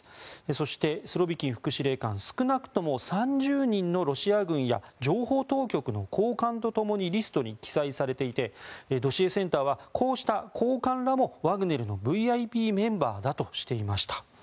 そして、スロビキン副司令官は少なくとも３０人のロシア軍や情報当局の高官とともにリストに記載されていてドシエセンターはこうした高官らもワグネルのＶＩＰメンバーだとしていました。